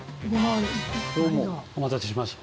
どうもお待たせしました。